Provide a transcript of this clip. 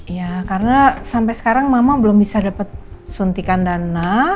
ya karena sampai sekarang mama belum bisa dapat suntikan dana